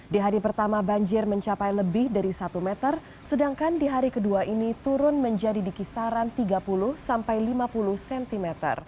di hari pertama banjir mencapai lebih dari satu meter sedangkan di hari kedua ini turun menjadi di kisaran tiga puluh sampai lima puluh cm